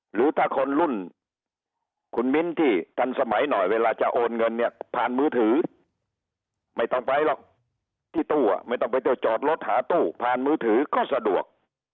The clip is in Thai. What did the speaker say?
หรือถ้าคนรุ่นคุณมิ้นที่ทันสมัยหน่อยเวลาจะโอนเงินเนี่ยผ่านมือถือไม่ต้องไปหรอกที่ตู้ไม่ต้องไปเที่ยวจอดรถหาตู้ผ่านมือถือก็สะดวก